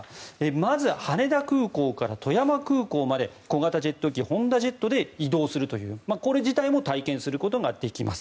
まず羽田空港から富山空港まで小型ジェット機ホンダジェットで移動するというこれ自体も体験することができます。